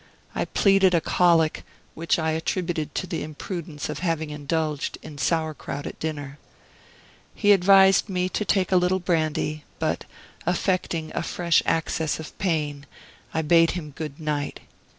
I pleaded a colic, which I attributed to the imprudence of having indulged in sauerkraut at dinner. He advised me to take a little brandy; but, affecting a fresh access of pain, I bade him good night.